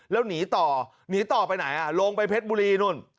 แล้วหนีต่อหนีต่อไปไหนลงไปเพชรบุรีนู่น